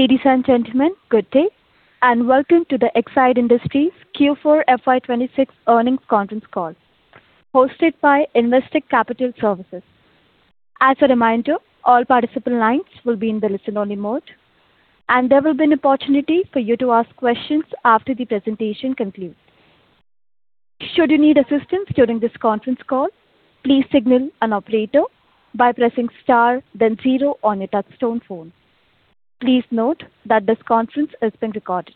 Ladies and gentlemen, good day, and welcome to the Exide Industries Q4 FY 2026 earnings conference call hosted by Investec Capital Services. As a reminder, all participant lines will be in the listen only mode, and there will be an opportunity for you to ask questions after the presentation concludes. Should you need assistance during this conference call, please signal an operator by pressing star then zero on your touch-tone phone. Please note that this conference is being recorded.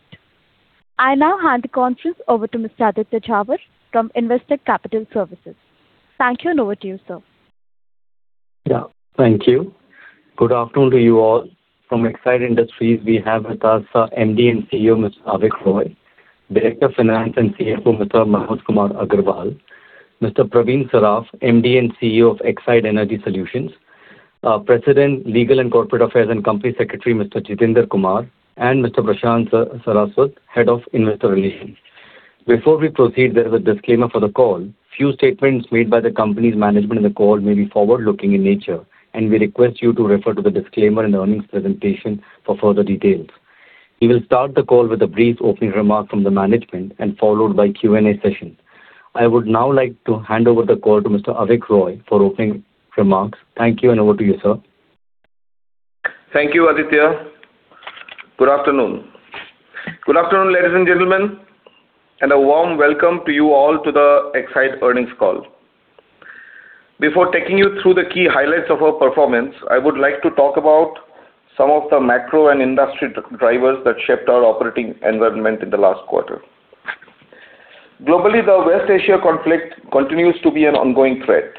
I now hand the conference over to Mr. Aditya Jhawar from Investec Capital Services. Thank you, and over to you, sir. Yeah. Thank you. Good afternoon to you all. From Exide Industries, we have with us our MD and CEO, Mr. Avik Roy, Director Finance and CFO, Mr. Manoj Kumar Agarwal, Mr. Pravin Saraf, MD and CEO of Exide Energy Solutions, President, Legal and Corporate Affairs and Company Secretary, Mr. Jitendra Kumar, and Mr. Prashant Saraswat, Head of Investor Relations. Before we proceed, there is a disclaimer for the call. Few statements made by the company's management in the call may be forward-looking in nature, and we request you to refer to the disclaimer and earnings presentation for further details. We will start the call with a brief opening remark from the management and followed by Q&A session. I would now like to hand over the call to Mr. Avik Roy for opening remarks. Thank you, and over to you, sir. Thank you, Aditya. Good afternoon. Good afternoon, ladies and gentlemen, and a warm welcome to you all to the Exide earnings call. Before taking you through the key highlights of our performance, I would like to talk about some of the macro and industry drivers that shaped our operating environment in the last quarter. Globally, the West Asia conflict continues to be an ongoing threat.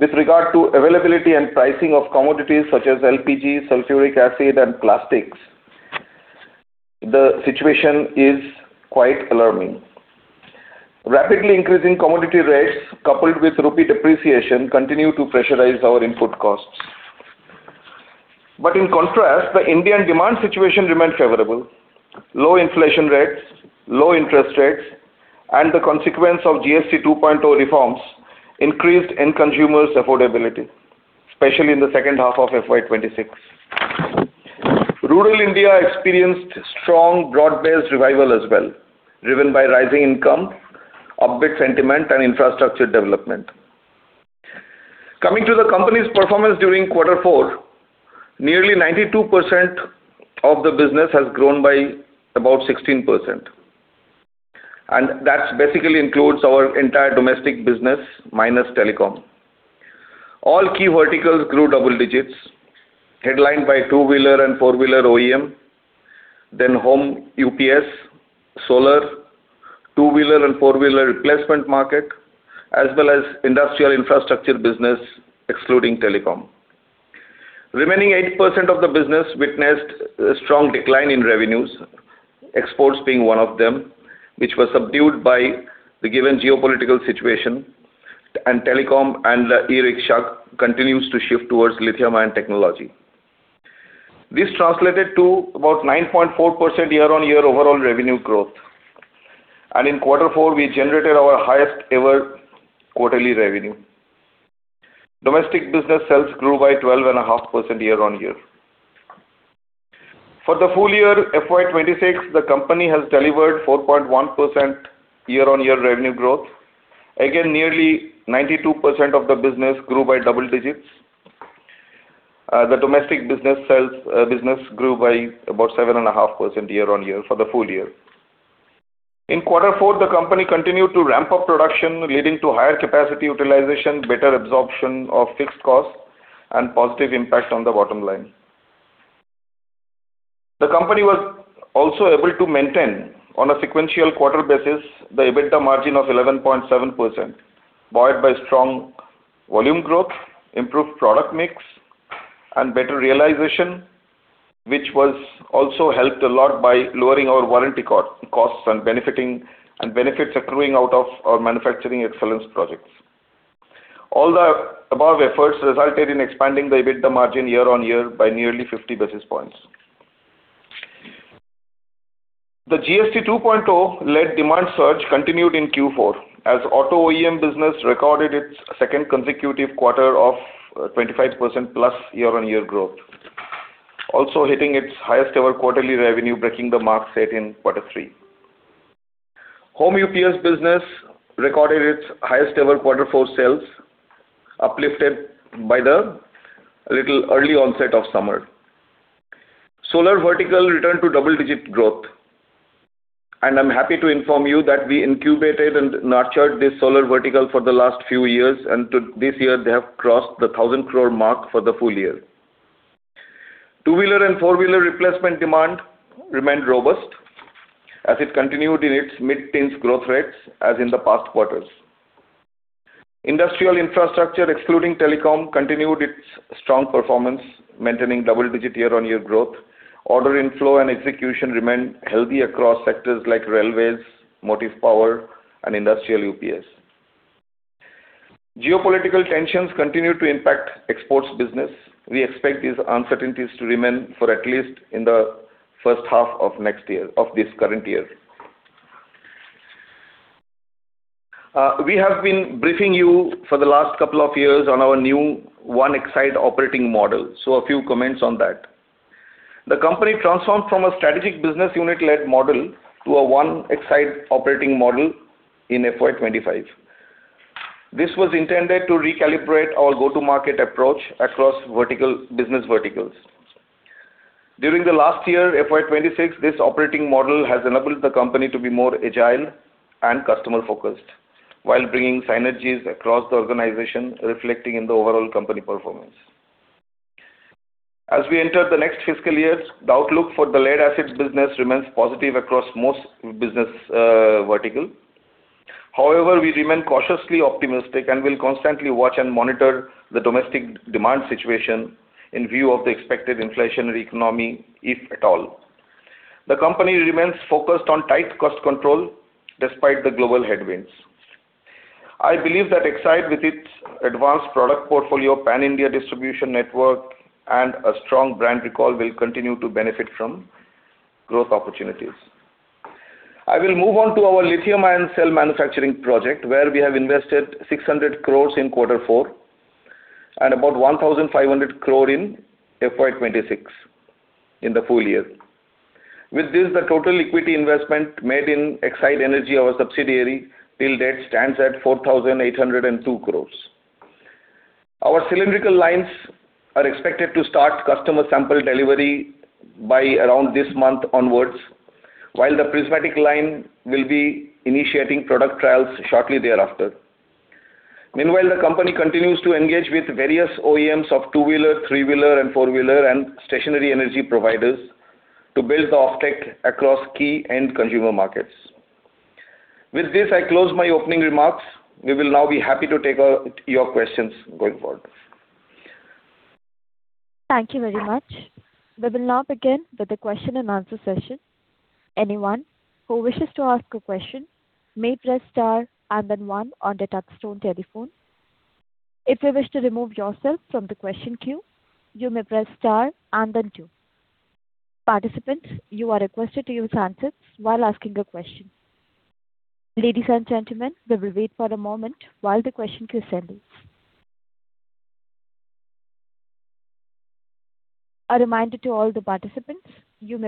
With regard to availability and pricing of commodities such as LPG, sulfuric acid, and plastics, the situation is quite alarming. Rapidly increasing commodity rates coupled with rupee depreciation continue to pressurize our input costs. In contrast, the Indian demand situation remained favorable. Low inflation rates, low interest rates, and the consequence of GST 2.0 reforms increased end consumers' affordability, especially in the second half of FY 2026. Rural India experienced strong broad-based revival as well, driven by rising income, upbeat sentiment, and infrastructure development. Coming to the company's performance during quarter four, nearly 92% of the business has grown by about 16%, and that basically includes our entire domestic business minus telecom. All key verticals grew double digits, headlined by two-wheeler and four-wheeler OEM, then home UPS, solar, two-wheeler and four-wheeler replacement market, as well as industrial infrastructure business, excluding telecom. Remaining 80% of the business witnessed a strong decline in revenues, exports being one of them, which was subdued by the given geopolitical situation, and telecom and the e-rickshaw continues to shift towards lithium-ion technology. This translated to about 9.4% year-on-year overall revenue growth. In quarter four, we generated our highest ever quarterly revenue. Domestic business sales grew by 12.5% year-on-year. For the full year FY 2026, the company has delivered 4.1% year-on-year revenue growth. Again, nearly 92% of the business grew by double digits. The domestic business sales business grew by about 7.5% year-on-year for the full year. In quarter four, the company continued to ramp up production leading to higher capacity utilization, better absorption of fixed costs, and positive impact on the bottom line. The company was also able to maintain, on a sequential quarter basis, the EBITDA margin of 11.7%, buoyed by strong volume growth, improved product mix, and better realization, which was also helped a lot by lowering our warranty costs and benefits accruing out of our manufacturing excellence projects. All the above efforts resulted in expanding the EBITDA margin year-on-year by nearly 50 basis points. The GST 2.0 led demand surge continued in Q4 as auto OEM business recorded its second consecutive quarter of 25%+ year-on-year growth, also hitting its highest ever quarterly revenue, breaking the mark set in Q3. Home UPS business recorded its highest ever Q4 sales, uplifted by the little early onset of summer. Solar vertical returned to double-digit growth, and I'm happy to inform you that we incubated and nurtured this solar vertical for the last few years, and to this year, they have crossed the 1,000 crore mark for the full year. Two-wheeler and four-wheeler replacement demand remained robust as it continued in its mid-teens growth rates as in the past quarters. Industrial infrastructure, excluding telecom, continued its strong performance, maintaining double-digit year-on-year growth. Order inflow and execution remained healthy across sectors like railways, motive power, and industrial UPS. Geopolitical tensions continue to impact exports business. We expect these uncertainties to remain for at least in the first half of this current year. We have been briefing you for the last couple of years on our new One Exide operating model, so a few comments on that. The company transformed from a strategic business unit-led model to a One Exide operating model in FY 2025. This was intended to recalibrate our go-to market approach across business verticals. During the last year, FY 2026, this operating model has enabled the company to be more agile and customer-focused while bringing synergies across the organization, reflecting in the overall company performance. As we enter the next fiscal years, the outlook for the lead-acid business remains positive across most business vertical. We remain cautiously optimistic and will constantly watch and monitor the domestic demand situation in view of the expected inflationary economy, if at all. The company remains focused on tight cost control despite the global headwinds. I believe that Exide, with its advanced product portfolio, pan-India distribution network, and a strong brand recall, will continue to benefit from growth opportunities. I will move on to our lithium-ion cell manufacturing project, where we have invested 600 crore in quarter four and about 1,500 crore in FY 2026 in the full year. With this, the total equity investment made in Exide Energy, our subsidiary, till date stands at 4,802 crore. Our cylindrical lines are expected to start customer sample delivery by around this month onwards, while the prismatic line will be initiating product trials shortly thereafter. Meanwhile, the company continues to engage with various OEMs of two-wheeler, three-wheeler, and four-wheeler and stationary energy providers to build the offtake across key end consumer markets. With this, I close my opening remarks. We will now be happy to take your questions going forward. Thank you very much. We will now begin with the question-and-answer session. Participants, you are requested to use answers while asking a question. Ladies and gentlemen, we will wait for a moment while the question queue settles. We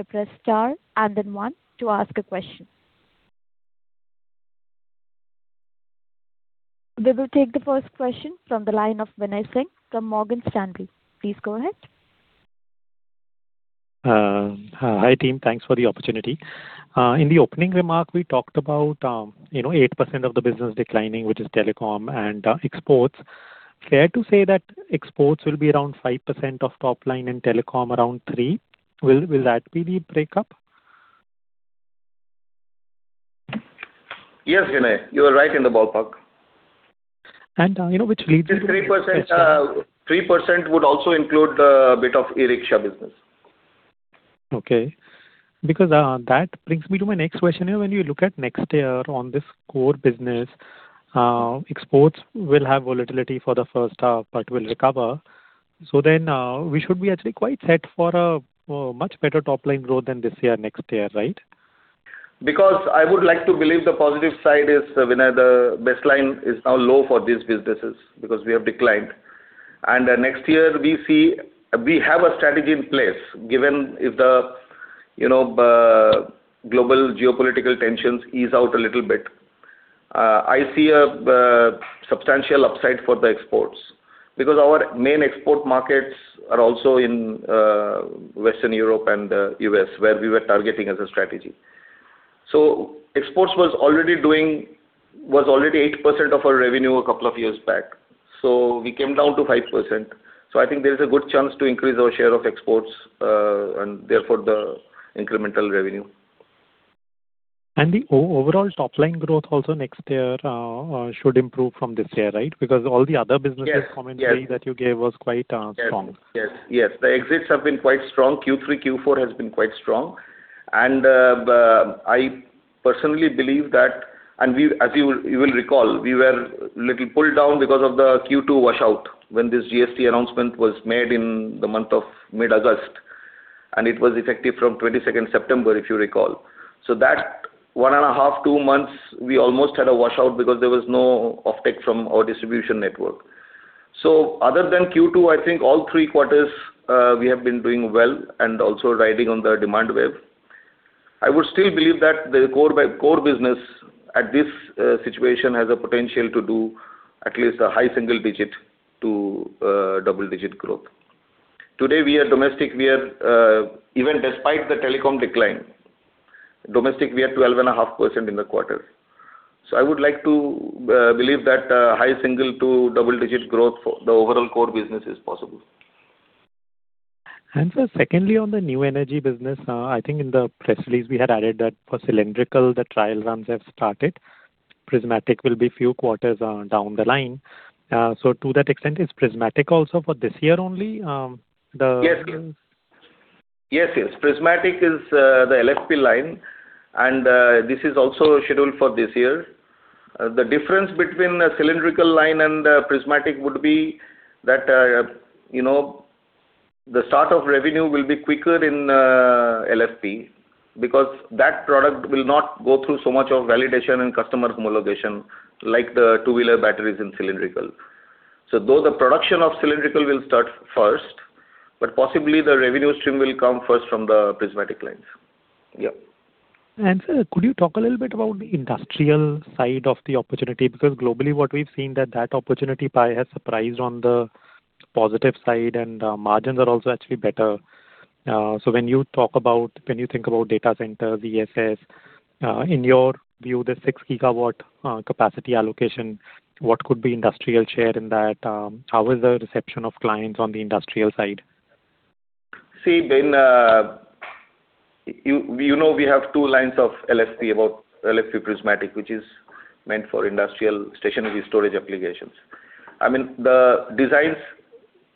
will take the first question from the line of Binay Singh from Morgan Stanley. Please go ahead. Hi, team. Thanks for the opportunity. In the opening remark, we talked about, you know, 8% of the business declining, which is telecom and exports. Fair to say that exports will be around 5% of top line and telecom around 3%. Will that be the breakup? Yes, Binay, you are right in the ballpark. You know, which leads me to my next question. This 3%, 3% would also include the bit of e-rickshaw business. Okay. That brings me to my next question. You know, when you look at next year on this core business, exports will have volatility for the first half but will recover. We should be actually quite set for a much better top-line growth than this year, next year, right? Because I would like to believe the positive side is, Binay, the baseline is now low for these businesses because we have declined. Next year we have a strategy in place, given if the, you know, global geopolitical tensions ease out a little bit. I see a substantial upside for the exports because our main export markets are also in Western Europe and U.S., where we were targeting as a strategy. Exports was already 8% of our revenue a couple of years back, so we came down to 5%. I think there is a good chance to increase our share of exports, and therefore the incremental revenue. The overall top-line growth also next year should improve from this year, right? All the other businesses commentary. Yes, yes. That you gave was quite strong. Yes. Yes. Yes. The exits have been quite strong. Q3, Q4 has been quite strong. I personally believe that, and we as you will recall, we were little pulled down because of the Q2 wash-out when this GST announcement was made in the month of mid-August, and it was effective from 22nd September, if you recall. That one-and-a-half, two months, we almost had a wash-out because there was no offtake from our distribution network. Other than Q2, I think all three quarters we have been doing well and also riding on the demand wave. I would still believe that the core business at this situation has a potential to do at least a high single digit to double digit growth. Today, we are domestic, we are, even despite the telecom decline, domestic we are 12.5% in the quarter. I would like to believe that high single- to double-digit growth for the overall core business is possible. Sir, secondly, on the new energy business, I think in the press release we had added that for cylindrical, the trial runs have started. Prismatic will be a few quarters down the line. To that extent, is prismatic also for this year only? Yes. Yes, yes. Prismatic is the LFP line, this is also scheduled for this year. The difference between a cylindrical line and a prismatic would be that, you know, the start of revenue will be quicker in LFP because that product will not go through so much of validation and customer homologation like the two-wheeler batteries in cylindrical. Though the production of cylindrical will start first, but possibly the revenue stream will come first from the prismatic lines. Yeah. Sir, could you talk a little bit about the industrial side of the opportunity? globally what we've seen that that opportunity pie has surprised on the positive side, and margins are also actually better. when you talk about when you think about data center, ESS, in your view, the 6 GW capacity allocation, what could be industrial share in that? How is the reception of clients on the industrial side? See, you know, we have two lines of LFP about LFP prismatic, which is meant for industrial stationary storage applications. I mean, the designs,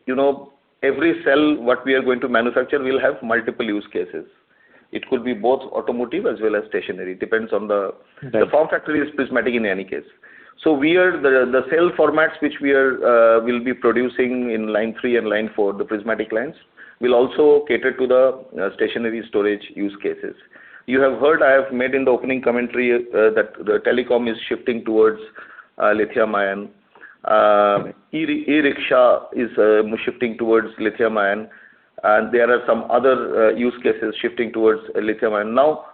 you know, every cell what we are going to manufacture will have multiple use cases. It could be both automotive as well as stationary. Right. The form factor is prismatic in any case. We are the cell formats which we are will be producing in line 3 and line 4, the prismatic lines, will also cater to the stationary storage use cases. You have heard, I have made in the opening commentary, that the telecom is shifting towards lithium ion. E-rickshaw is shifting towards lithium ion, and there are some other use cases shifting towards lithium ion. Now,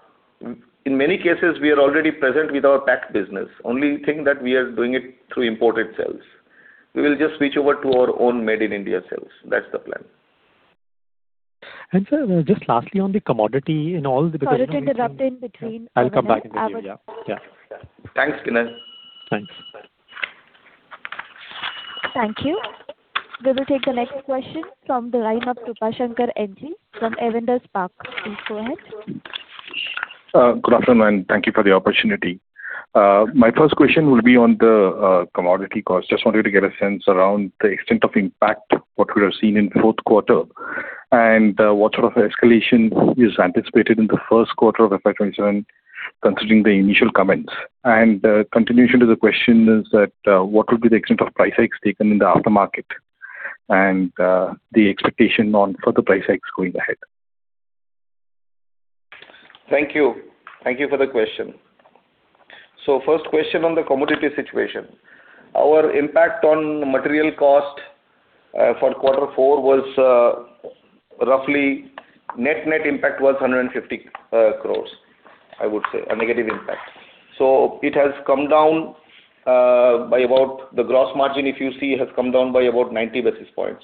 in many cases, we are already present with our pack business. Only thing that we are doing it through imported cells. We will just switch over to our own made in India cells. That's the plan. Sir, just lastly on the commodity. Sorry to interrupt in between. I'll come back in a bit. Yeah. Yeah. Thanks, Binay. Thanks. Thank you. We will take the next question from the line of Krupashankar NJ from Avendus Spark. Please go ahead. Good afternoon, and thank you for the opportunity. My first question will be on the commodity cost. Just wanted to get a sense around the extent of impact, what we have seen in fourth quarter, and what sort of escalation is anticipated in the first quarter of FY 2027, considering the initial comments. Continuation to the question is that, what would be the extent of price hikes taken in the aftermarket, and the expectation on further price hikes going ahead. Thank you. Thank you for the question. The 1st question on the commodity situation. Our impact on material cost for Q4 was roughly net-net impact was 150 crore, I would say, a negative impact. It has come down by about the gross margin, if you see, has come down by about 90 basis points.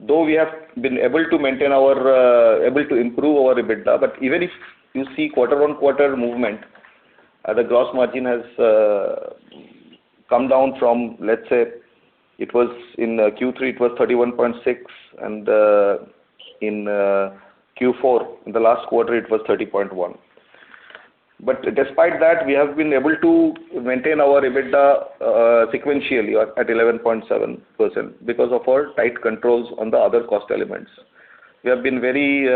Though we have been able to maintain our able to improve our EBITDA, but even if you see quarter-on-quarter movement, the gross margin has come down from, let's say it was in Q3, it was 31.6%, and in Q4, in the last quarter, it was 30.1%. Despite that, we have been able to maintain our EBITDA sequentially at 11.7% because of our tight controls on the other cost elements. We have been very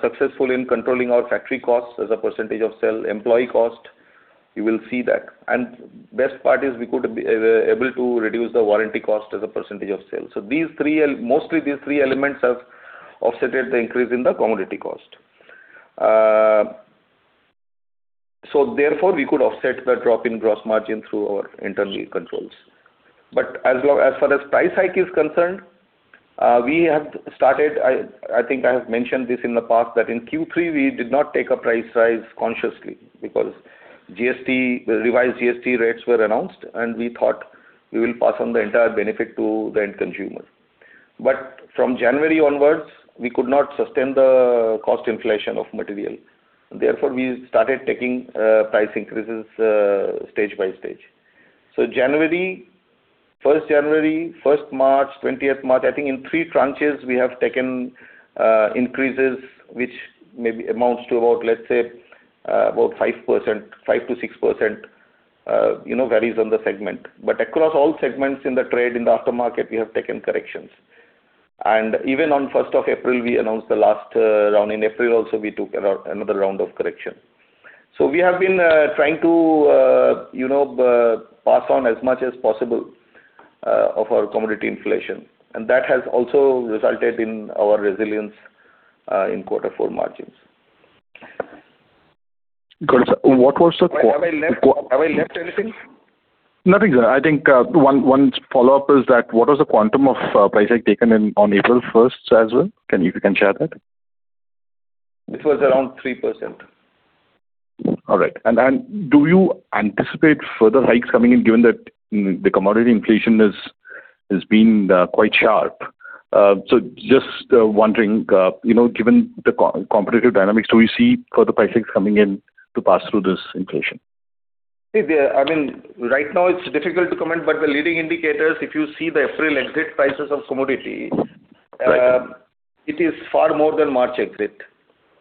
successful in controlling our factory costs as a percentage of sale, employee cost. You will see that. Best part is we could able to reduce the warranty cost as a percentage of sale. Mostly these three elements have offsetted the increase in the commodity cost. Therefore, we could offset the drop in gross margin through our internal controls. As far as price hike is concerned, we have started, I think I have mentioned this in the past, that in Q3 we did not take a price rise consciously because GST, the revised GST rates were announced, and we thought we will pass on the entire benefit to the end consumer. From January onwards, we could not sustain the cost inflation of material. Therefore, we started taking price increases stage by stage. January, first January, first March, twentieth March, I think in three tranches we have taken increases, which maybe amounts to about, let's say, about 5%, 5%-6%, you know, varies on the segment. Across all segments in the trade, in the aftermarket, we have taken corrections. Even on first of April, we announced the last round. In April also, we took another round of correction. We have been trying to, you know, pass on as much as possible of our commodity inflation, and that has also resulted in our resilience in quarter four margins. Got it, sir. What was the. Have I left anything? Nothing, sir. I think one follow-up is that what was the quantum of price hike taken in, on April 1st as well? Can you, if you can share that? It was around 3%. All right. Do you anticipate further hikes coming in, given that the commodity inflation has been quite sharp? Just wondering, you know, given the competitive dynamics, do you see further price hikes coming in to pass through this inflation? See, I mean, right now it is difficult to comment, but the leading indicators, if you see the April exit prices of commodity. Right. It is far more than March exit.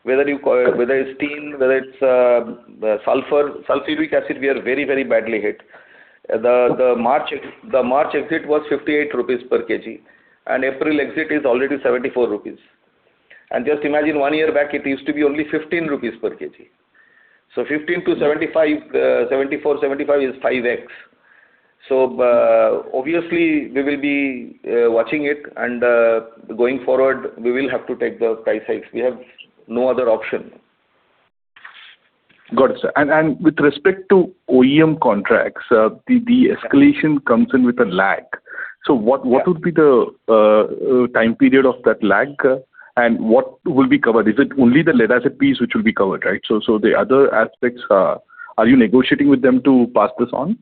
Whether you call, whether it's tin, whether it's, the sulfur, sulfuric acid, we are very, very badly hit. The March exit was 58 rupees per kg, and April exit is already 74 rupees. Just imagine one year back, it used to be only 15 rupees per kg. 15-74, 75 is 5x. Obviously, we will be watching it and going forward, we will have to take the price hikes. We have no other option. Got it. With respect to OEM contracts, the escalation comes in with a lag. What would be the time period of that lag? What will be covered? Is it only the lead-acid piece which will be covered, right? The other aspects are Are you negotiating with them to pass this on?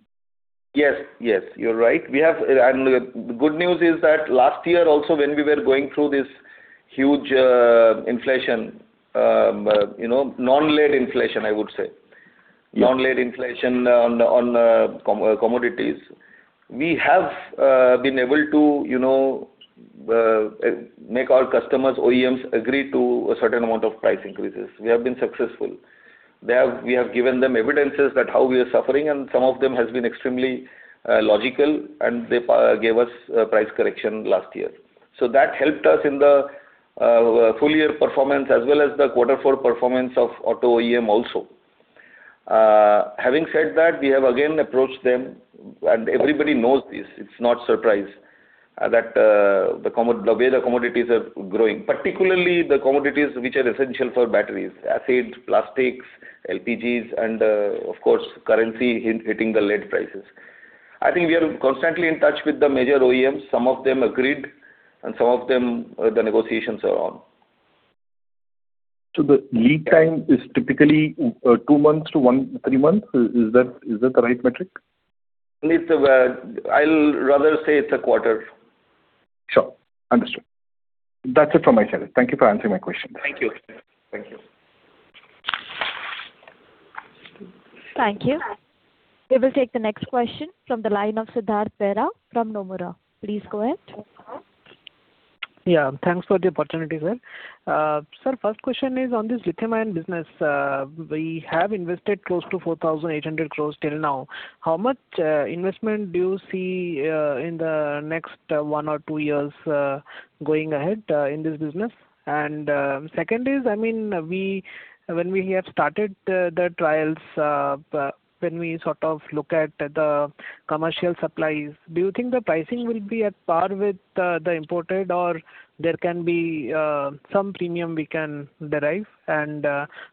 Yes. Yes, you're right. The good news is that last year also, when we were going through this huge inflation, you know, non-lead inflation, I would say. Yeah. Non-lead inflation on commodities. We have been able to, you know, make our customers, OEMs agree to a certain amount of price increases. We have been successful. We have given them evidences that how we are suffering, and some of them has been extremely logical, and they gave us price correction last year. That helped us in the full year performance as well as the quarter four performance of auto OEM also. Having said that, we have again approached them, everybody knows this, it's not surprise that the way the commodities are growing, particularly the commodities which are essential for batteries, acids, plastics, LPG and, of course, currency hitting the lead prices. I think we are constantly in touch with the major OEMs. Some of them agreed, and some of them, the negotiations are on. The lead time is typically two months to three months. Is that the right metric? I'll rather say it's a quarter. Sure. Understood. That's it from my side. Thank you for answering my questions. Thank you. Thank you. Thank you. We will take the next question from the line of Siddhartha Bera from Nomura. Please go ahead. Yeah, thanks for the opportunity, sir. Sir, first question is on this lithium ion business. We have invested close to 4,800 crores till now. How much investment do you see in the next one or two years going ahead in this business? Second is, when we have started the trials, when we sort of look at the commercial supplies, do you think the pricing will be at par with the imported, or there can be some premium we can derive?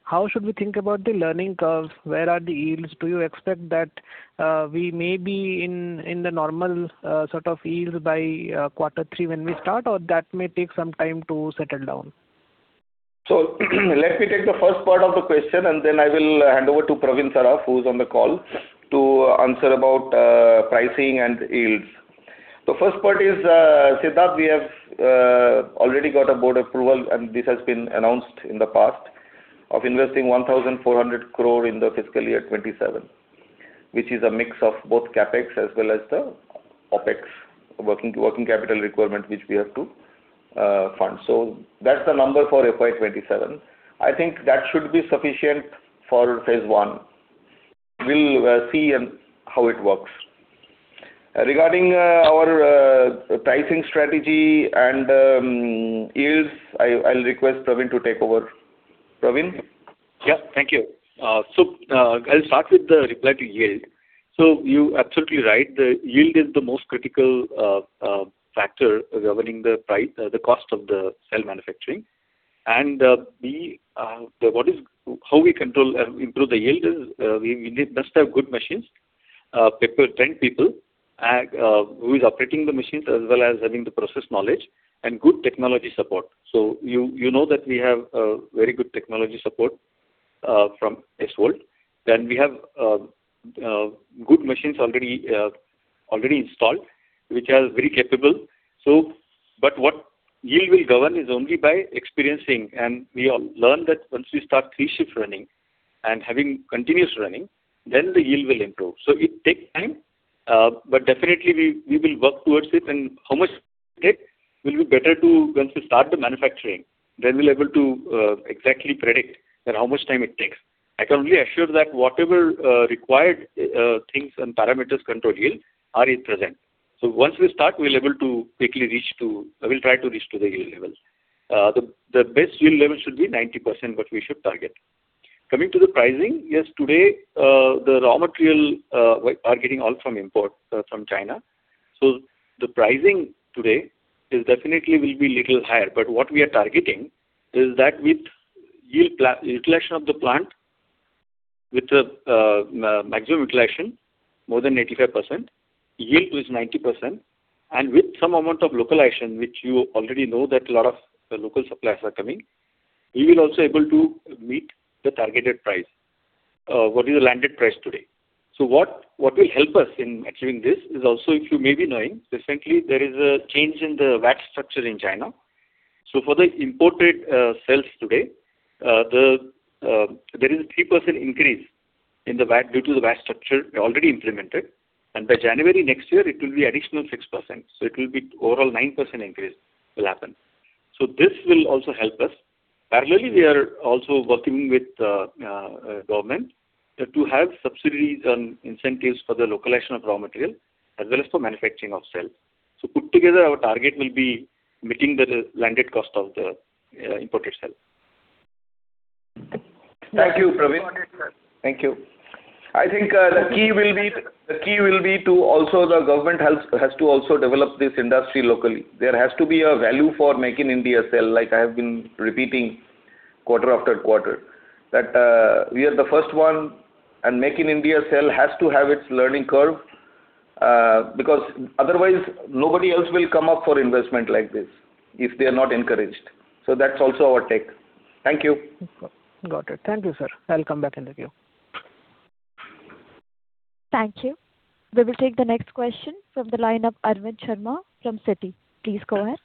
How should we think about the learning curves? Where are the yields? Do you expect that we may be in the normal sort of yields by Q3 when we start, or that may take some time to settle down? Let me take the first part of the question, and then I will hand over to Pravin Saraf, who's on the call, to answer about pricing and yields. The first part is, Siddhartha, we have already got a board approval, and this has been announced in the past, of investing 1,400 crore in the FY 2027, which is a mix of both CapEx as well as the OpEx, working capital requirement which we have to fund. That's the number for FY 2027. I think that should be sufficient for phase 1. We'll see how it works. Regarding our pricing strategy and yields, I'll request Pravin to take over. Pravin? Yeah. Thank you. I'll start with the reply to yield. You're absolutely right. The yield is the most critical factor governing the price, the cost of the cell manufacturing. We, how we control, improve the yield is, we must have good machines, people, trained people, who is operating the machines as well as having the process knowledge and good technology support. You know that we have very good technology support from SVOLT. We have good machines already installed, which are very capable. What yield will govern is only by experiencing. We all learn that once we start three shifts running and having continuous running, then the yield will improve. It takes time, but definitely we will work towards it. How much it will take will be better to once we start the manufacturing, then we'll able to exactly predict that how much time it takes. I can only assure that whatever required things and parameters control yield are in present. Once we start, we'll try to reach to the yield level. The best yield level should be 90% what we should target. Coming to the pricing, yes, today, the raw material, we are getting all from import from China. The pricing today is definitely will be little higher. What we are targeting is that with yield utilization of the plant with the maximum utilization more than 85%, yield is 90%, and with some amount of localization, which you already know that a lot of local suppliers are coming, we will also able to meet the targeted price, what is the landed price today. What will help us in achieving this is also, if you may be knowing, recently there is a change in the VAT structure in China. For the imported cells today, the there is a 3% increase in the VAT due to the VAT structure already implemented. By January next year, it will be additional 6%. It will be overall 9% increase will happen. This will also help us. Parallelly, we are also working with government to have subsidies and incentives for the localization of raw material as well as for manufacturing of cell. Put together, our target will be meeting the landed cost of the imported cell. Thank you, Pravin. Thank you. I think, the key will be to also the government has to also develop this industry locally. There has to be a value for Make in India cell, like I have been repeating quarter after quarter. That we are the first one, and Make in India cell has to have its learning curve, because otherwise nobody else will come up for investment like this if they are not encouraged. That's also our take. Thank you. Got it. Thank you, sir. I'll come back in the queue. Thank you. We will take the next question from the line of Arvind Sharma from Citi. Please go ahead.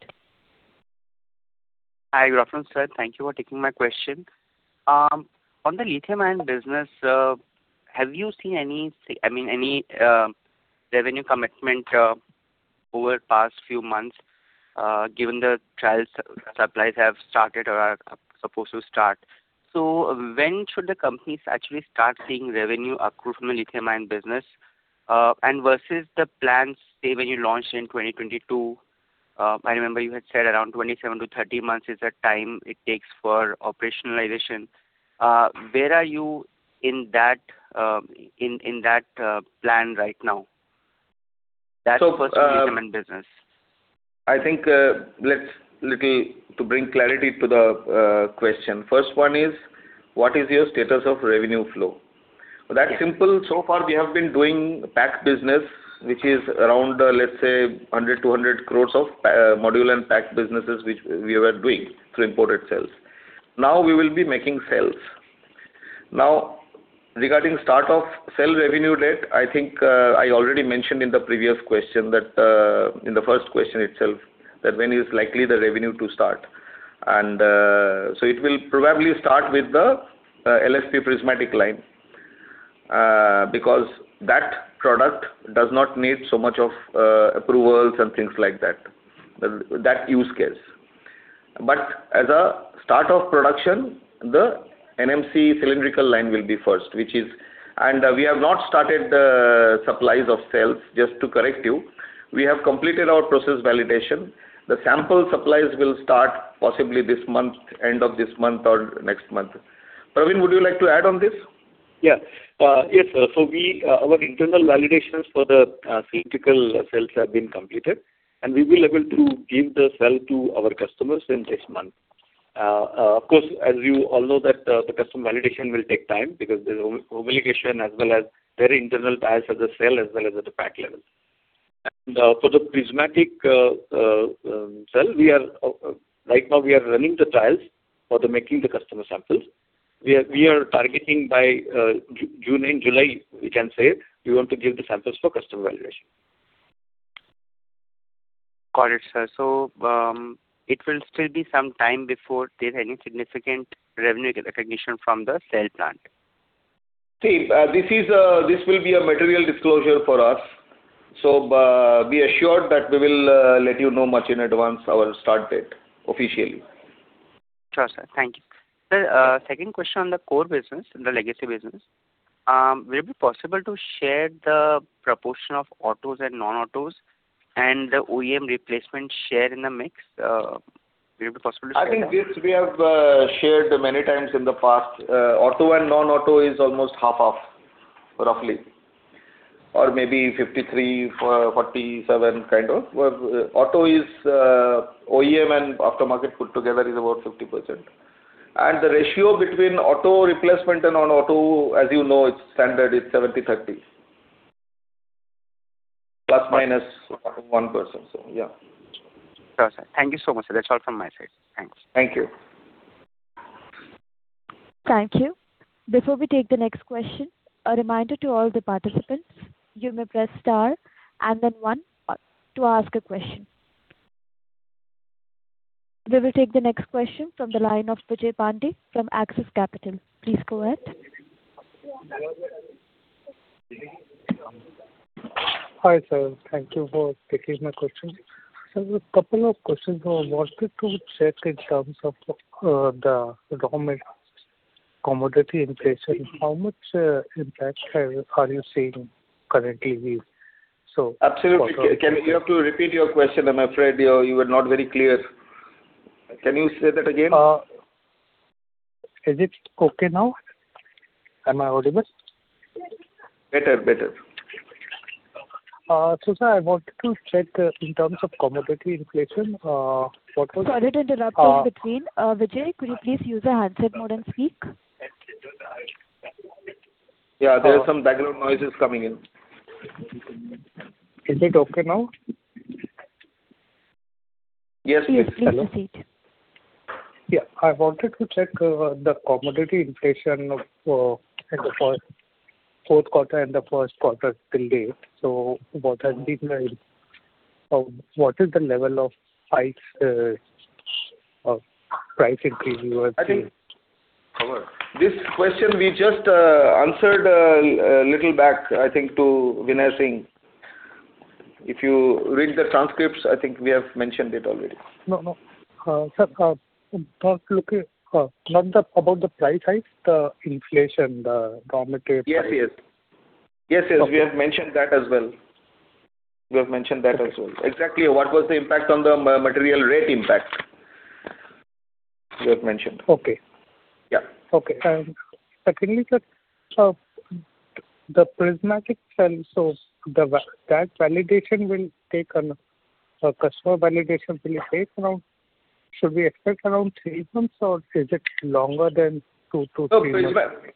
Hi, good afternoon, sir. Thank you for taking my question. On the lithium-ion business, have you seen any, I mean, any revenue commitment over the past few months, given the trials, supplies have started or are supposed to start? When should the companies actually start seeing revenue accrue from the lithium-ion business? Versus the plans, say, when you launched in 2022, I remember you had said around 27-30 months is the time it takes for operationalization. Where are you in that plan right now? That's for the lithium-ion business. I think, let's little to bring clarity to the question. First one is, what is your status of revenue flow? That's simple. So far, we have been doing packed business, which is around, let's say, 100 crores, 200 crores of module and packed businesses which we were doing through imported cells. Now we will be making cells. Now, regarding start of cell revenue date, I think, I already mentioned in the previous question that in the first question itself, that when is likely the revenue to start. It will probably start with the LFP prismatic line, because that product does not need so much of approvals and things like that. The, that use case. As a start of production, the NMC cylindrical line will be first. We have not started the supplies of cells, just to correct you. We have completed our process validation. The sample supplies will start possibly this month, end of this month or next month. Pravin, would you like to add on this? Yeah. Yes, sir. Our internal validations for the cylindrical cells have been completed, and we will be able to give the cell to our customers in this month. Of course, as you all know that the customer validation will take time because there's homologation as well as their internal tests at the cell as well as at the pack level. For the prismatic cell, we are targeting by June and July, we can say, we want to give the samples for customer validation. Got it, sir. It will still be some time before there's any significant revenue recognition from the cell plant? This will be a material disclosure for us. Be assured that we will let you know much in advance our start date officially. Sure, sir. Thank you. Sir, second question on the core business, the legacy business. Will it be possible to share the proportion of autos and non-autos and the OEM replacement share in the mix? Will it be possible to share that? I think this we have shared many times in the past. Auto and non-auto is almost 50/50, roughly, or maybe 53/47, kind of. Auto is OEM and aftermarket put together is about 50%. The ratio between auto replacement and non-auto, as you know, it's standard, it's 70/30. Plus minus 1%. Yeah. Sure, sir. Thank you so much, sir. That's all from my side. Thanks. Thank you. Thank you. Before we take the next question, a reminder to all the participants, you may press star and then one to ask a question. We will take the next question from the line of Vijay Pandey from Axis Capital. Please go ahead. Hi, sir. Thank you for taking my question. Sir, a couple of questions I wanted to check in terms of the raw material commodity inflation. How much impact are you seeing currently? Absolutely. You have to repeat your question, I'm afraid. You were not very clear. Can you say that again? Is it okay now? Am I audible? Better. Sir, I wanted to check, in terms of commodity inflation. Sorry to interrupt you between. Vijay, could you please use a handset mode and speak? Yeah, there are some background noises coming in. Is it okay now? Yes. Please proceed. Yeah. I wanted to check, the commodity inflation of, in the fourth quarter and the first quarter till date. What has been the, what is the level of hikes, of price increase you are seeing? I think this question we just answered a little back, I think, to Binay Singh. If you read the transcripts, I think we have mentioned it already. No, no. Sir, not looking about the price hike, the inflation, the raw material price. Yes, yes. Yes, yes, we have mentioned that as well. You have mentioned that also. Exactly what was the impact on the material rate impact you have mentioned? Okay. Yeah. Okay. Secondly, sir, the prismatic cell, a customer validation will take around, should we expect around three months or is it longer than 2-3 months? No, Prismatic.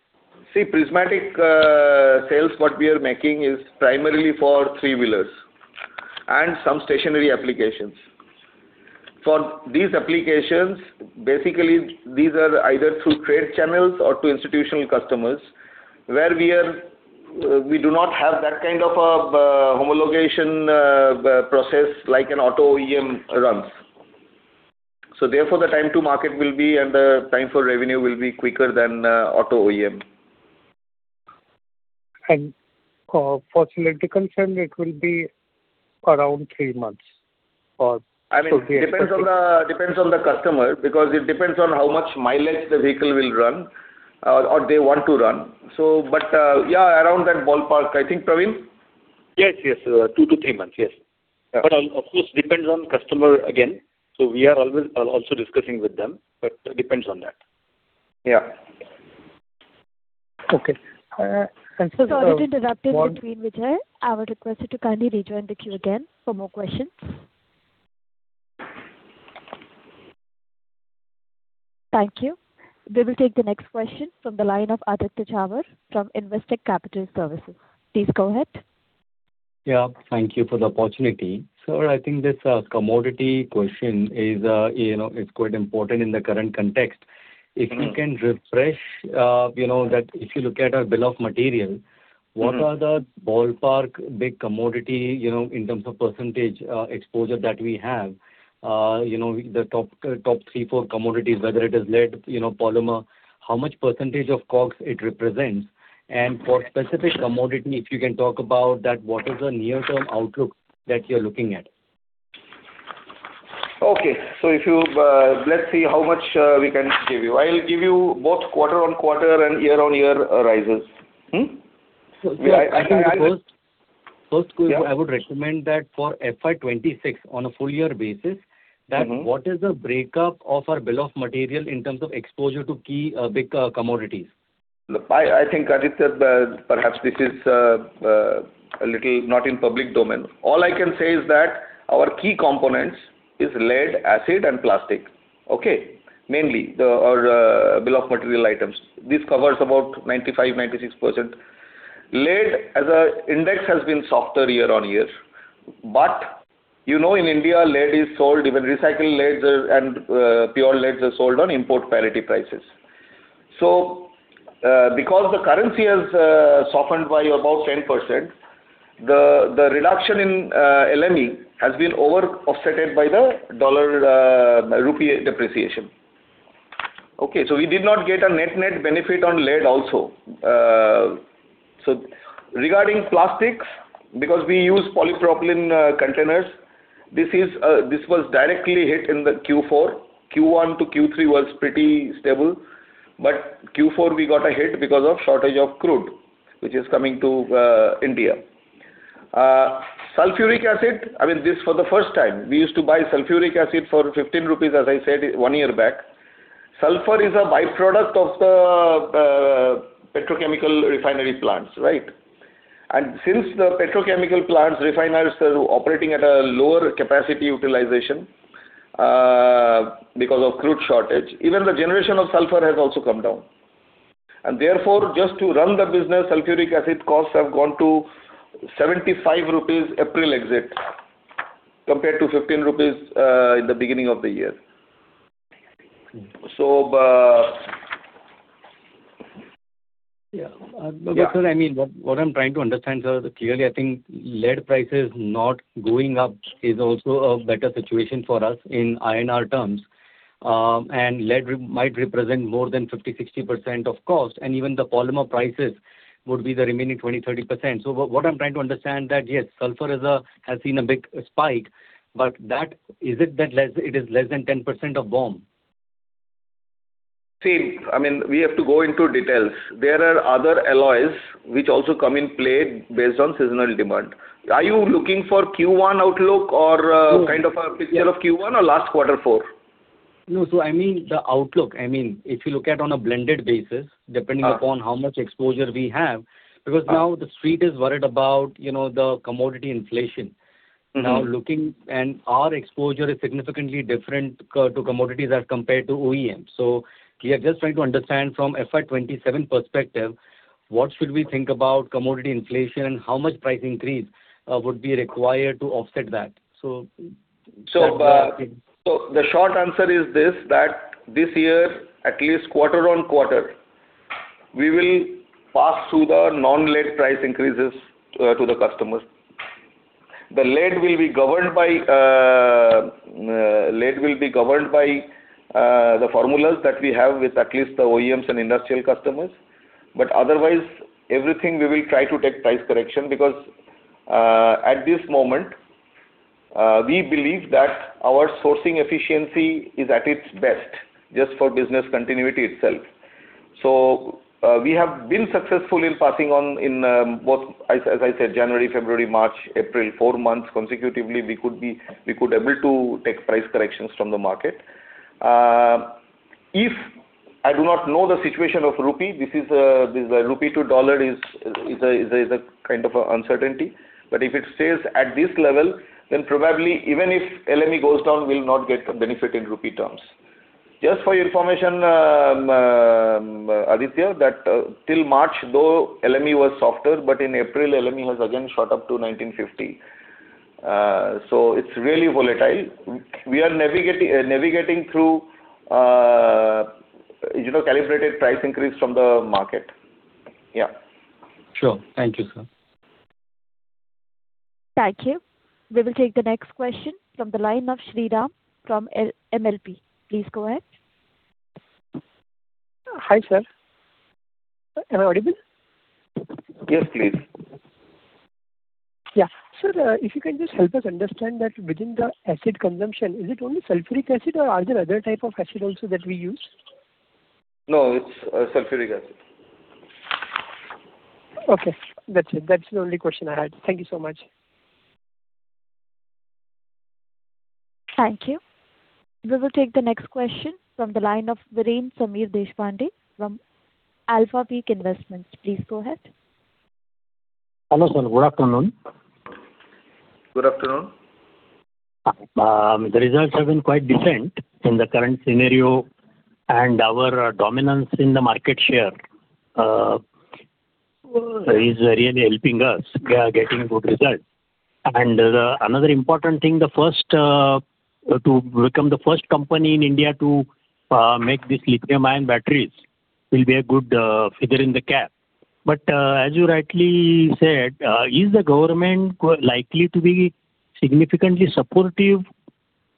See, Prismatic, sales what we are making is primarily for three-wheelers and some stationary applications. For these applications, basically, these are either through trade channels or to institutional customers, where we are, we do not have that kind of a homologation process like an auto OEM runs. Therefore, the time to market will be and the time for revenue will be quicker than auto OEM. For cylindrical cell, it will be around three months. I mean, depends on the customer because it depends on how much mileage the vehicle will run, or they want to run. But, yeah, around that ballpark. I think, Pravin? Yes, 2-3 months. Yes. Yeah. Of course, depends on customer again. We are always, also discussing with them, but depends on that. Yeah. Okay. Sorry to interrupt you between, Vijay. I would request you to kindly rejoin the queue again for more questions. Thank you. We will take the next question from the line of Aditya Jhawar from Investec Capital Services. Please go ahead. Thank you for the opportunity. Sir, I think this commodity question is, you know, it's quite important in the current context. If you can refresh, you know, that if you look at our bill of material. What are the ballpark big commodity, you know, in terms of percentage, exposure that we have? You know, the top three, four commodities, whether it is lead, you know, polymer, how much percenage of COGS it represents? For specific commodity, if you can talk about that, what is the near-term outlook that you're looking at? Okay. Let's see how much we can give you. I'll give you both quarter-on-quarter and year-on-year rises. Yeah. Sir, I think first. Yeah I would recommend that for FY 2026 on a full year basis. What is the breakup of our bill of material in terms of exposure to key, big, commodities? I think, Aditya, perhaps this is a little not in public domain. All I can say is that our key components is lead, acid, and plastic. Okay. Mainly our bill of material items. This covers about 95%, 96%. Lead as a index has been softer year-over-year. You know, in India, lead is sold, even recycled leads are, and pure leads are sold on import parity prices. Because the currency has softened by about 10%, the reduction in LME has been over-offsetted by the dollar rupee depreciation. We did not get a net-net benefit on lead also. Regarding plastics, because we use polypropylene containers, this was directly hit in the Q4. Q1 to Q3 was pretty stable, Q4 we got a hit because of shortage of crude, which is coming to India. Sulfuric acid, I mean this for the first time, we used to buy sulfuric acid for 15 rupees, as I said one year back. Sulfur is a byproduct of the petrochemical refinery plants, right? Since the petrochemical plants refineries are operating at a lower capacity utilization, because of crude shortage, even the generation of sulfur has also come down. Therefore, just to run the business, sulfuric acid costs have gone to 75 rupees April exit, compared to 15 rupees in the beginning of the year. Yeah. Yeah. I mean, what I am trying to understand, sir, clearly I think lead prices not going up is also a better situation for us in INR terms. Lead might represent more than 50%, 60% of cost, and even the polymer prices would be the remaining 20%, 30%. What I am trying to understand that, yes, sulfur has seen a big spike, but is it less than 10% of BOM? See, I mean, we have to go into details. There are other alloys which also come in play based on seasonal demand. Are you looking for Q1 outlook or? No Kind of a picture of Q1 or last quarter four? No. I mean the outlook, I mean, if you look at on a blended basis depending upon how much exposure we have, because now the street is worried about, you know, the commodity inflation. Now looking, our exposure is significantly different to commodities as compared to OEM. We are just trying to understand from FY 2027 perspective, what should we think about commodity inflation and how much price increase would be required to offset that? The short answer is this, that this year, at least quarter-on-quarter, we will pass through the non-lead price increases to the customers. The lead will be governed by the formulas that we have with at least the OEMs and industrial customers. Otherwise, everything we will try to take price correction because at this moment, we believe that our sourcing efficiency is at its best just for business continuity itself. We have been successful in passing on in, as I said, January, February, March, April, four months consecutively, we could able to take price corrections from the market. If I do not know the situation of rupee, this is a kind of a uncertainty. If it stays at this level, then probably even if LME goes down, we'll not get the benefit in rupee terms. Just for your information, Aditya, till March, though LME was softer, in April LME has again shot up to 1,950. It's really volatile. We are navigating through, you know, calibrated price increase from the market. Yeah. Sure. Thank you, sir. Thank you. We will take the next question from the line of Shriram from L-MLP. Please go ahead. Hi, sir. Am I audible? Yes, please. Yeah. Sir, if you can just help us understand that within the acid consumption, is it only sulfuric acid or are there other type of acid also that we use? No, it's sulfuric acid. Okay. That's it. That's the only question I had. Thank you so much. Thank you. We will take the next question from the line of Viren Samir Deshpande from Alphapeak Investments. Please go ahead. Hello, sir. Good afternoon. Good afternoon. The results have been quite different in the current scenario, and our dominance in the market share is really helping us. We are getting good results. Another important thing, the first to become the first company in India to make these lithium-ion batteries will be a good figure in the cap. As you rightly said, is the government likely to be significantly supportive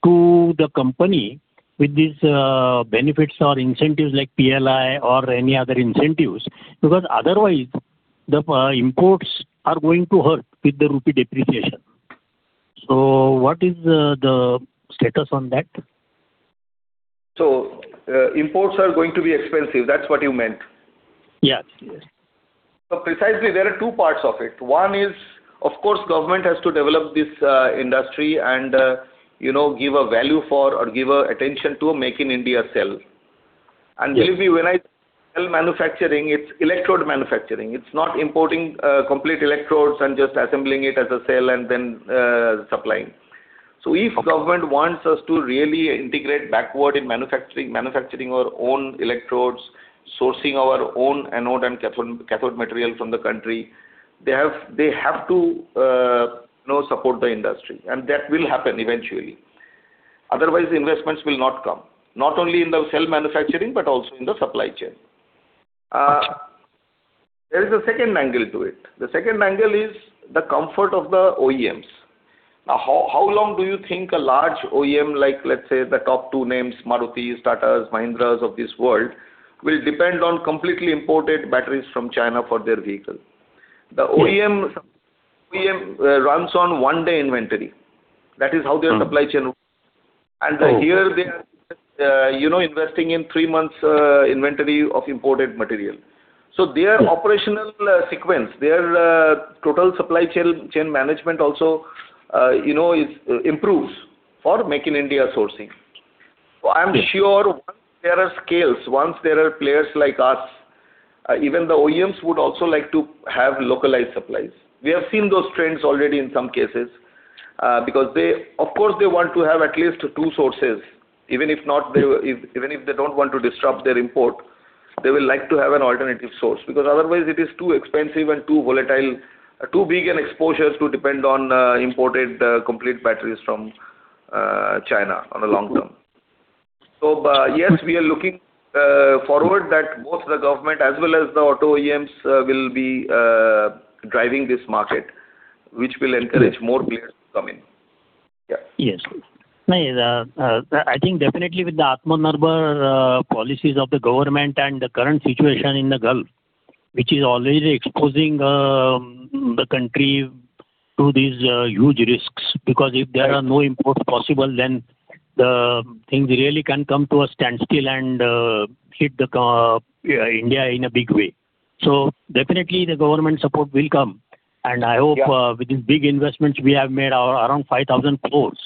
to the company with these benefits or incentives like PLI or any other incentives? Otherwise the imports are going to hurt with the rupee depreciation. What is the status on that? imports are going to be expensive. That's what you meant? Yes. Yes. Precisely there are two parts of it. One is, of course, government has to develop this industry and, you know, give a value for or give a attention to Make in India cell. Yes. Believe me, when I sell manufacturing, it's electrode manufacturing. It's not importing, complete electrodes and just assembling it as a cell and then, supplying. If government wants us to really integrate backward in manufacturing our own electrodes, sourcing our own anode and cathode material from the country, they have to, you know, support the industry, and that will happen eventually. Otherwise, the investments will not come, not only in the cell manufacturing, but also in the supply chain. Okay. There is a second angle to it. The second angle is the comfort of the OEMs. Now, how long do you think a large OEM like, let's say, the top two names, Marutis, Tatas, Mahindras of this world, will depend on completely imported batteries from China for their vehicle? Yes. The OEM runs on one-day inventory. That is how their supply chain works. Oh. Here they are, you know, investing in three months inventory of imported material. Their operational sequence, their total supply chain management also, you know, improves for Make in India sourcing. Yes. I'm sure once there are scales, once there are players like us, even the OEMs would also like to have localized supplies. We have seen those trends already in some cases, because they, of course, they want to have at least two sources. Even if not they, if even if they don't want to disrupt their import, they will like to have an alternative source because otherwise it is too expensive and too volatile, too big an exposure to depend on imported complete batteries from China on the long term. Yes, we are looking forward that both the government as well as the auto OEMs will be driving this market. Yes. More players to come in. Yeah. Yes. No, I think definitely with the Atmanirbhar policies of the government and the current situation in the Gulf, which is already exposing the country to these huge risks. If there are no imports possible, then the things really can come to a standstill and hit the India in a big way. Definitely the government support will come. Yeah. I hope, with these big investments we have made around 5,000 crores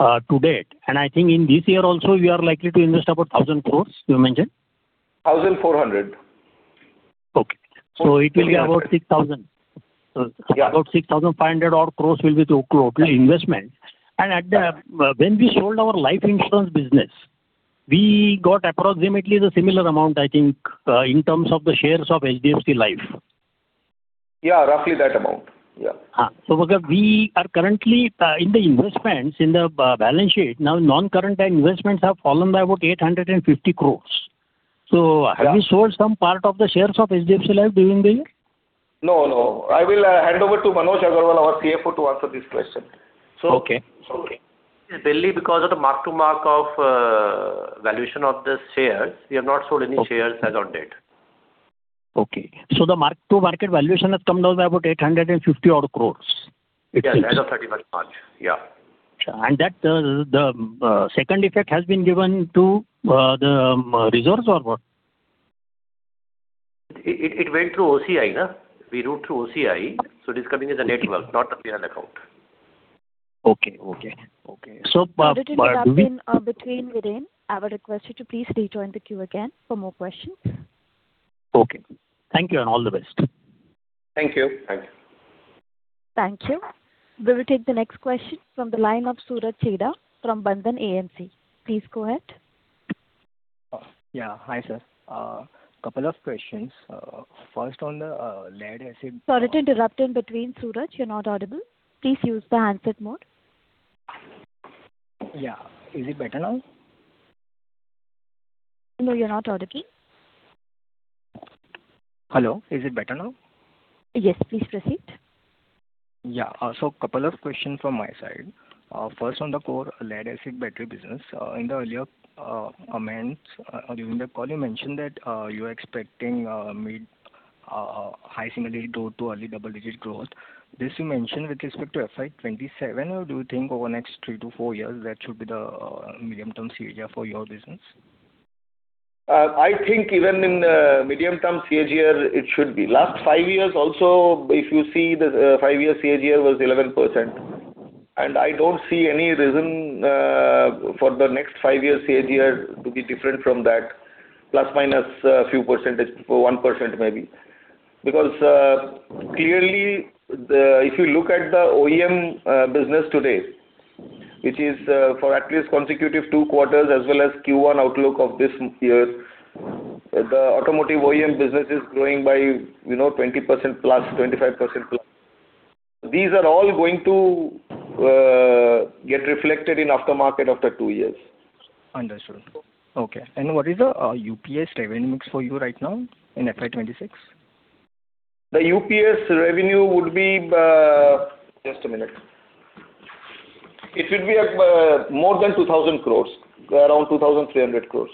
to date. I think in this year also we are likely to invest about 1,000 crores, you mentioned? 1,400. Okay. So it will be. It will be about 6,000. Yeah. About 6,500 odd crore will be the total investment. When we sold our life insurance business, we got approximately the similar amount, I think, in terms of the shares of HDFC Life. Yeah, roughly that amount. Yeah. We are currently in the investments in the balance sheet. Non-current investments have fallen by about 850 crores. Yeah. Have you sold some part of the shares of HDFC Life during the year? No, no. I will hand over to Manoj Agarwal, our CFO, to answer this question. Okay. So. It's only because of the mark to mark of valuation of the shares. We have not sold any shares as of date. Okay. The mark to market valuation has come down by about 850 odd crores. Yes, as of 31st March. Yeah. That, the, second effect has been given to, the, reserves or what? It went through OCI. We wrote through OCI, so it is coming as a net worth, not a P&L account. Okay. Okay. Okay. Sorry to interrupt in between, Viren. I would request you to please rejoin the queue again for more questions. Okay. Thank you, and all the best. Thank you. Thank you. Thank you. We will take the next question from the line of Suraj Chheda from Bandhan AMC. Please go ahead. Yeah. Hi, sir. Couple of questions. First on the. Sorry to interrupt in between, Suraj. You are not audible. Please use the handset mode. Yeah. Is it better now? No, you're not audible. Hello. Is it better now? Yes, please proceed. Yeah. Couple of questions from my side. First on the core lead-acid battery business. In the earlier comments during the call you mentioned that you're expecting mid high single-digit to early double-digit growth. This you mentioned with respect to FY 2027, or do you think over next 3-4 years that should be the medium-term CAGR for your business? I think even in the medium-term CAGR it should be. Last fiv years also, if you see the five-year CAGR was 11%. I don't see any reason for the next five-year CAGR to be different from that, plus minus few percentage, 1% maybe. Clearly the if you look at the OEM business today, which is for at least consecutive two quarters as well as Q1 outlook of this year, the automotive OEM business is growing by, you know, 20%+, 25%+. These are all going to get reflected in aftermarket after two years. Understood. Okay. What is the UPS revenue mix for you right now in FY 2026? The UPS revenue would be. Just a minute. It should be more than 2,000 crores, around 2,300 crores.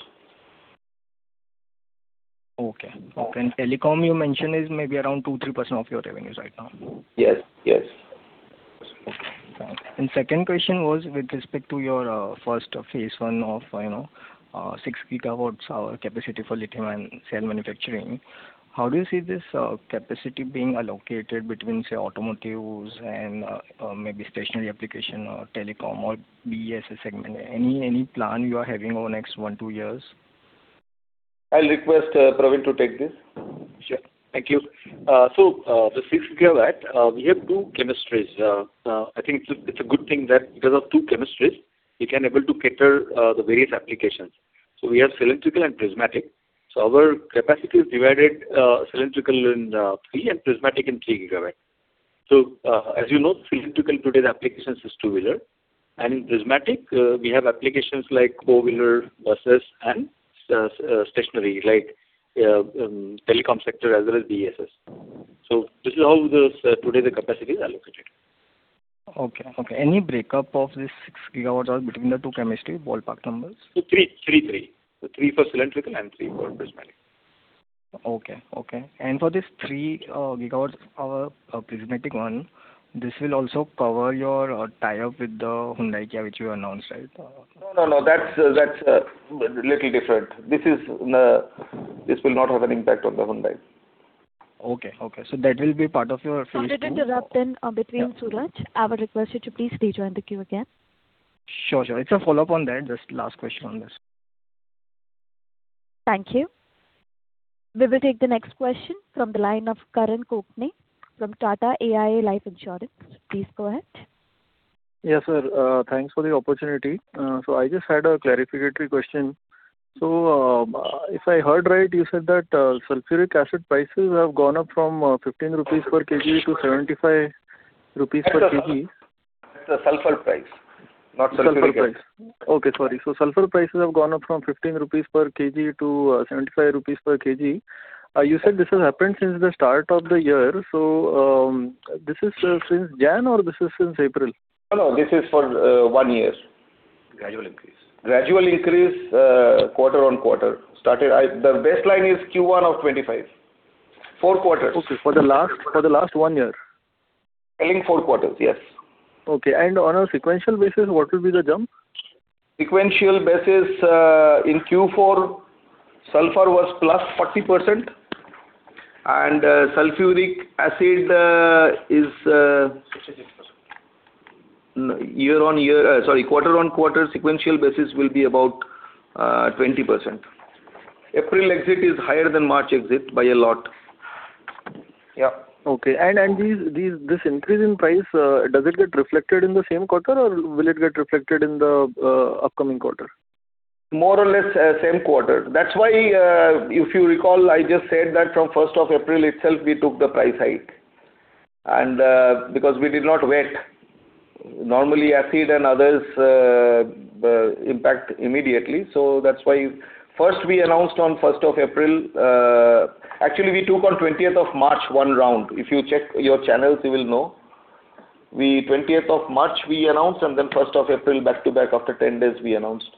Okay. Okay. Telecom you mentioned is maybe around 2%-3% of your revenues right now. Yes. Yes. Second question was with respect to your, first phase 1 of, you know, 6 GWh capacity for lithium-ion cell manufacturing. How do you see this capacity being allocated between, say, automotives and, maybe stationary application or telecom or BESS segment? Any plan you are having over next one, two years? I'll request Pravin to take this. Sure. Thank you. The 6 GW, we have two chemistries. I think it's a good thing that because of two chemistries we can able to cater the various applications. We have cylindrical and prismatic. Our capacity is divided, cylindrical in 3 and prismatic in 3 GW. As you know, cylindrical today the applications is 2-wheeler, and in prismatic, we have applications like 4-wheeler buses and stationary like telecom sector as well as BESS. This is how the today the capacity is allocated. Okay. Okay. Any breakup of this 6 GW hour between the two chemistry, ballpark numbers? Three, three. Three for cylindrical and three for prismatic. Okay. Okay. For this 3 GWh prismatic one, this will also cover your tie-up with the Hyundai which you announced, right? No, no. That's little different. This is, this will not have an impact on the Hyundai. Okay. Okay. That will be part of your phase 2. Sorry to interrupt in between, Suraj. I would request you to please rejoin the queue again. Sure. Sure. It's a follow-up on that. Just last question on this. Thank you. We will take the next question from the line of Karan Kokane from Tata AIA Life Insurance. Please go ahead. Yes, sir. Thanks for the opportunity. I just had a clarificatory question. If I heard right, you said that sulfuric acid prices have gone up from 15 rupees per kg to 75 rupees per kg? That's the sulfur price, not sulfuric acid. Sulfur price. Okay, sorry. Sulfur prices have gone up from INR 15 per kg to INR 75 per kg. You said this has happened since the start of the year. This is since January or this is since April? No, no. This is for one year. Gradual increase. Gradual increase, quarter on quarter. The baseline is Q1 of 2025. Four quarters. Okay. For the last one year? Tailing four quarters, yes. Okay. On a sequential basis, what will be the jump? Sequential basis, in Q4, sulfur was +40%. Sulfuric acid, is. 66%. No. Year-on-year, sorry, quarter-on-quarter sequential basis will be about 20%. April exit is higher than March exit by a lot. Yeah. Okay. This increase in price, does it get reflected in the same quarter or will it get reflected in the upcoming quarter? More or less, same quarter. If you recall, I just said that from 1st of April itself we took the price hike and because we did not wait. Normally, acid and others impact immediately, so that's why first we announced on 1st of April. Actually, we took on 20th of March one round. If you check your channels, you will know. We, 20th of March we announced, and then 1st of April back-to-back after 10 days we announced.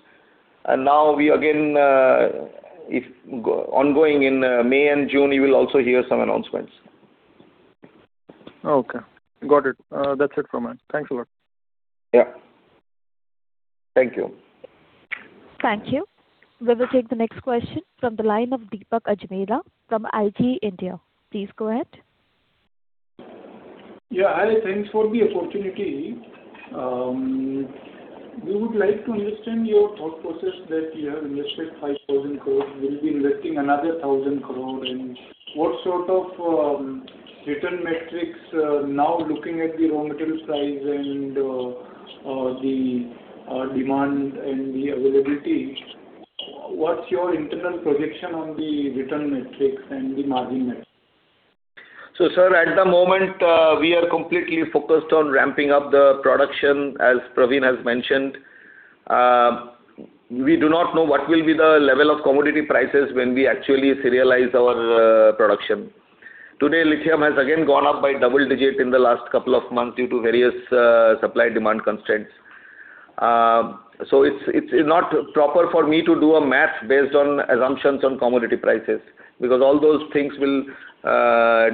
Now we again, if go ongoing in May and June, you will also hear some announcements. Okay. Got it. That's it from me. Thanks a lot. Yeah. Thank you. Thank you. We will take the next question from the line of Deepak Ajmera from IG India. Please go ahead. Yeah, hi. Thanks for the opportunity. We would like to understand your thought process that you have invested 5,000 crore, will be investing another 1,000 crore. What sort of return metrics, now looking at the raw material price and the demand and the availability, what's your internal projection on the return metrics and the margin metrics? Sir, at the moment, we are completely focused on ramping up the production, as Pravin has mentioned. We do not know what will be the level of commodity prices when we actually serialize our production. Today, lithium has again gone up by double-digit in the last couple of months due to various supply demand constraints. It's not proper for me to do a math based on assumptions on commodity prices, because all those things will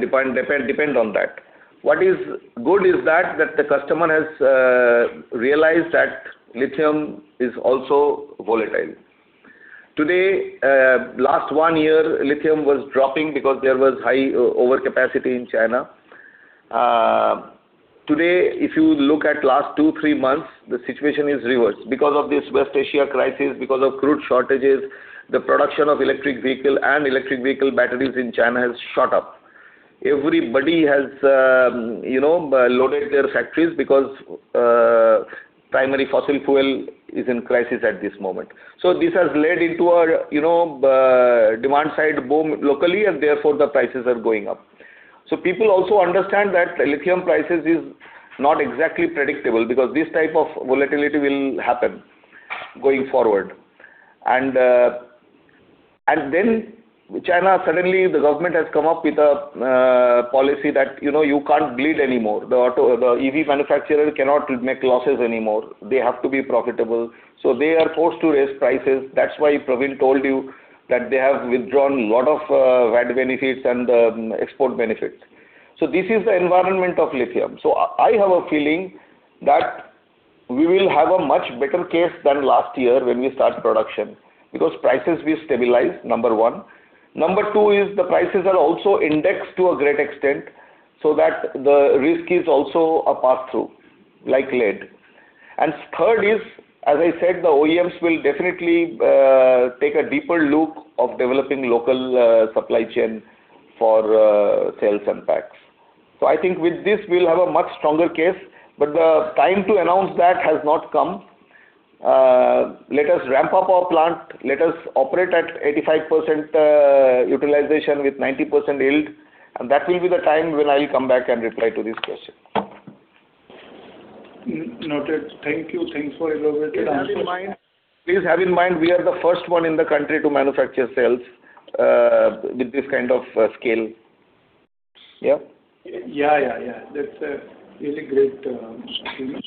depend on that. What is good is that the customer has realized that lithium is also volatile. Today, last one year, lithium was dropping because there was high overcapacity in China. Today, if you look at last two, three months, the situation is reversed. Because of this West Asia crisis, because of crude shortages, the production of electric vehicle and electric vehicle batteries in China has shot up. Everybody has, you know, loaded their factories because primary fossil fuel is in crisis at this moment. This has led into a, you know, demand side boom locally and therefore the prices are going up. People also understand that lithium prices is not exactly predictable because this type of volatility will happen going forward. China, suddenly the government has come up with a policy that, you know, you can't bleed anymore. The EV manufacturer cannot make losses anymore. They have to be profitable, so they are forced to raise prices. That's why Pravin told you that they have withdrawn lot of VAT benefits and export benefits. This is the environment of lithium. I have a feeling that we will have a much better case than last year when we start production because prices will stabilize, number one. Number two is the prices are also indexed to a great extent so that the risk is also a pass-through, like lead. Third is, as I said, the OEMs will definitely take a deeper look of developing local supply chain for cells and packs. I think with this we'll have a much stronger case, but the time to announce that has not come. Let us ramp up our plant. Let us operate at 85% utilization with 90% yield, and that will be the time when I'll come back and reply to this question. Noted. Thank you. Thanks for elaborating the answer. Please have in mind, we are the first in the country to manufacture cells, with this kind of scale. Yeah, yeah. That's a really great achievement.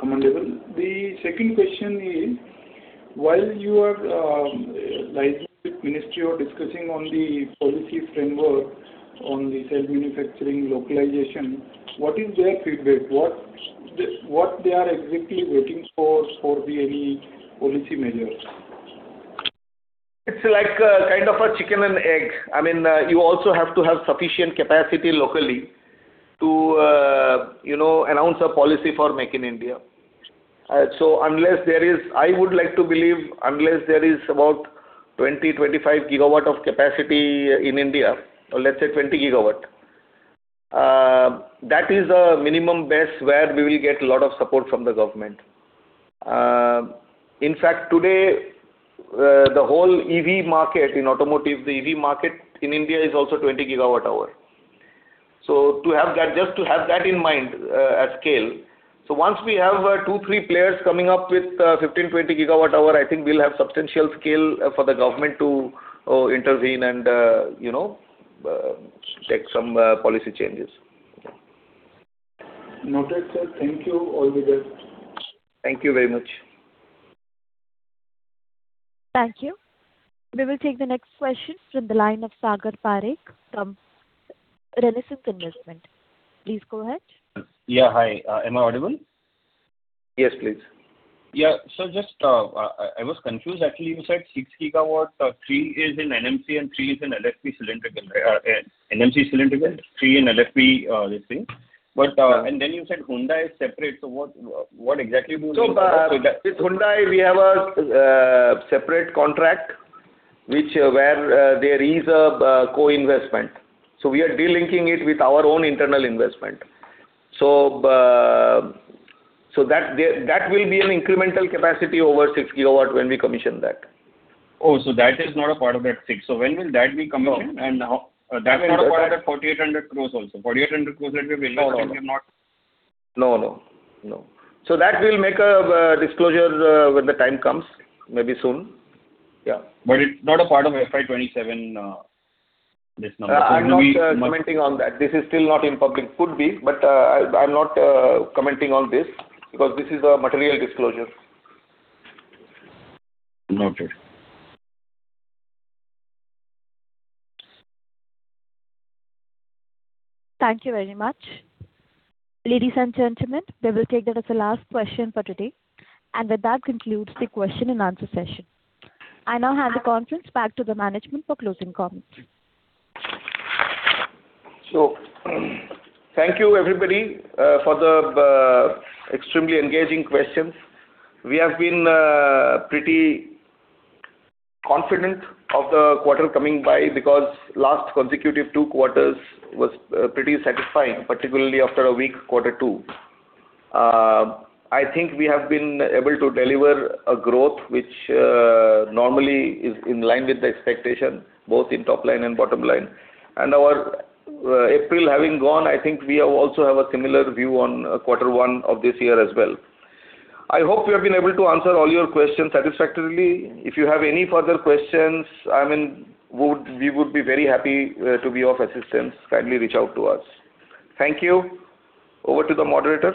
Commendable. The second question is, while you are liaising with ministry or discussing on the policy framework on the cell manufacturing localization, what is their feedback? What they are exactly waiting for the any policy measures? It's like, kind of a chicken and egg. I mean, you also have to have sufficient capacity locally to, you know, announce a policy for Make in India. Unless there is I would like to believe unless there is about 20 GW, 25 GW of capacity in India, or let's say 20 GW, that is a minimum base where we will get a lot of support from the government. In fact, today, the whole EV market in automotive, the EV market in India is also 20 GWh. To have that, just to have that in mind, at scale. Once we have, two, three players coming up with, 15 GWh, 20 GWh, I think we'll have substantial scale for the government to, intervene and, you know, take some, policy changes. Noted, sir. Thank you. All the best. Thank you very much. Thank you. We will take the next question from the line of Sagar Parekh from Renaissance Investment. Please go ahead. Yeah, hi. Am I audible? Yes, please. Just, I was confused actually. You said 6 GW, 3 is in NMC and 3 is in LFP cylindrical, NMC cylindrical, 3 in LFP, lithium. Then you said Hyundai is separate. What exactly do you mean by that? With Hyundai we have a separate contract which, where, there is a co-investment. We are de-linking it with our own internal investment. That will be an incremental capacity over 6 GW when we commission that. That is not a part of that six. When will that be commissioned? No. How. No, no. That's not a part of the INR 4,800 crores also. INR 4,800 crores that you have invested. No, no. No. That we'll make a disclosure, when the time comes. Maybe soon. Yeah. It's not a part of FY 2027, this number. I'm not commenting on that. This is still not in public. Could be, I'm not commenting on this because this is a material disclosure. Noted. Thank you very much. Ladies and gentlemen, we will take that as the last question for today. With that concludes the question and answer session. I now hand the conference back to the management for closing comments. Thank you everybody for the extremely engaging questions. We have been pretty confident of the quarter coming by because last consecutive two quarters was pretty satisfying, particularly after a weak quarter two. I think we have been able to deliver a growth which normally is in line with the expectation, both in top line and bottom line. Our April having gone, I think we have also have a similar view on quarter one of this year as well. I hope we have been able to answer all your questions satisfactorily. If you have any further questions, I mean, we would be very happy to be of assistance. Kindly reach out to us. Thank you. Over to the moderator.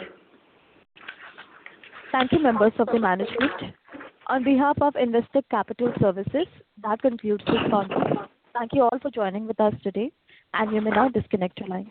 Thank you, members of the management. On behalf of Investec Capital Services, that concludes this conference call. Thank you all for joining with us today, and you may now disconnect your lines.